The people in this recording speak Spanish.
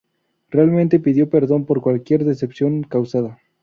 Realmente pido perdón por cualquier decepción causada.